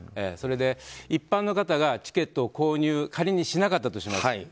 それで一般の方がチケットを仮に購入しなかったとします。